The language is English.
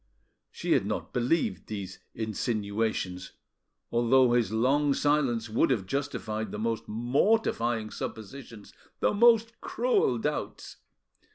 She had not believed these insinuations, although his long silence would have justified the most mortifying suppositions, the most cruel doubts.